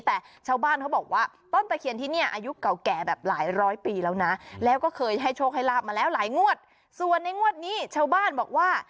แต่ชาวบ้านเขาบอกว่าต้นตะเคียนที่เนี่ยอายุเก่าแก่แบบหลายร้อยปีแล้วนะแล้วก็เคยให้โชคให้ลาบมาแล้วหลายงวดส่วนในงวดนี้ชาวบ้านบอกว่า